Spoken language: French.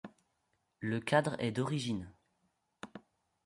Le cadre est d'origine.